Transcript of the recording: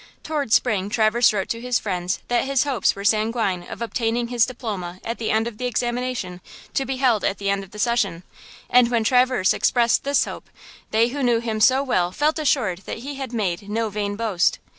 Toward spring Traverse wrote to his friends that his hopes were sanguine of obtaining his diploma at the examination to be held at the end of the session. And when Traverse expressed this hope, they who knew him so well felt assured that he had made no vain boast.